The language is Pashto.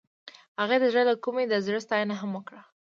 هغې د زړه له کومې د زړه ستاینه هم وکړه.